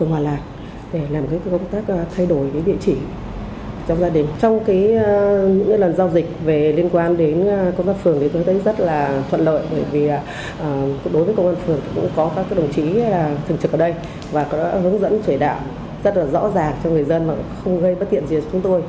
và có hướng dẫn trở đạo rất là rõ ràng cho người dân mà không gây bất thiện gì cho chúng tôi